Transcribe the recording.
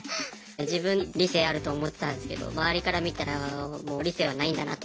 自分理性あると思ってたんですけど周りから見たらもう理性はないんだなと。